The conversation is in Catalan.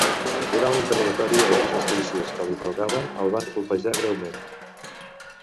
Durant l'interrogatori, alguns dels policies que l'interrogaven el van copejar greument.